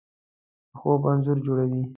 د خوب انځور جوړوي